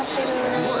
すごい！